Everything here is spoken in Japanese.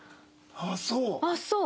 あっそう。